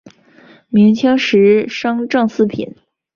明清时升正四品。